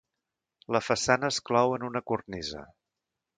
La façana es clou en una cornisa.